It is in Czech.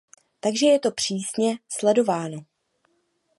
Takže je to přísně sledováno.